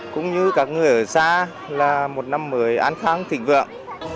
cũng như các người ở xa là một năm mới an khang thịnh vượng